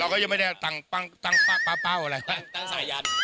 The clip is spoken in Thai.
เราก็ยังไม่ได้ตั้งป้าวค่ะตั้งสายยาน